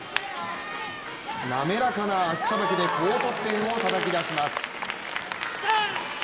滑らかな足さばきで高得点とたたき出します。